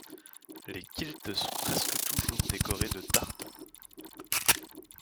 Les kilts sont presque toujours décorés de tartans.